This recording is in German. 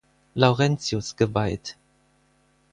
Laurentius geweiht.